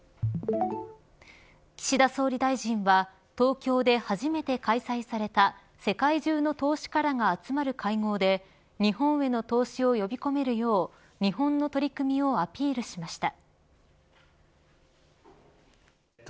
岸田総理大臣は東京で初めて開催された世界中の投資家らが集まる会合で日本への投資を呼び込めるよう日本の取り組みをアピールしました。